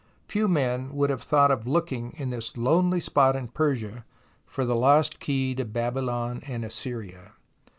Few men would have thought of looking in this lonely spot in Persia for the lost key to Babylon and Assyria.